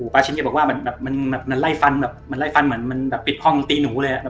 ปาชินก็บอกว่ามันไล่ฟันมันปิดห้องตีหนูเลย